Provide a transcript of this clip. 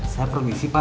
saya permisi pak